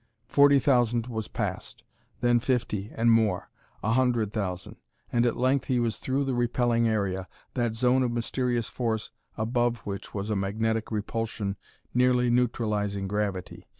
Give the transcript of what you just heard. Forty thousand was passed; then fifty and more; a hundred thousand; and at length he was through the repelling area, that zone of mysterious force, above which was a magnetic repulsion nearly neutralizing gravity.